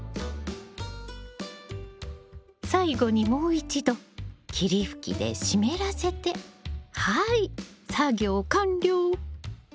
最後にもう一度霧吹きで湿らせてはいっ作業完了！